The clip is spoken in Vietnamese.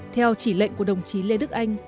theo chỉ lệnh của đồng chí lê đức anh